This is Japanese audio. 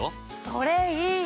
それいい！